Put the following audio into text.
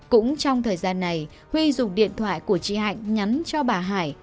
cũng trong thời gian này huy dùng điện thoại của chị hạnh nhắn cho bà hải